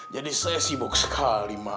jadi saya sibuk sekali mak